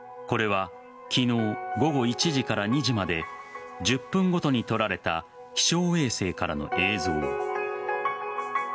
これは昨日午後１時から２時まで１０分ごとに撮られた気象衛星からの映像。